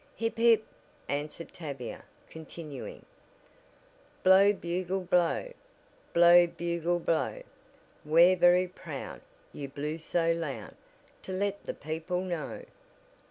"Hip hip " answered Tavia, continuing: "Blow Bugle, blow, Blow Bugle blow, We're very proud You blew so loud To let the people know."